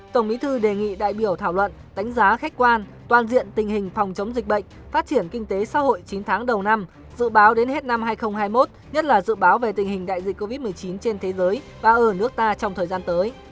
tổng bí thư đề nghị đại biểu thảo luận đánh giá khách quan toàn diện tình hình phòng chống dịch bệnh phát triển kinh tế xã hội chín tháng đầu năm dự báo đến hết năm hai nghìn hai mươi một nhất là dự báo về tình hình đại dịch covid một mươi chín trên thế giới và ở nước ta trong thời gian tới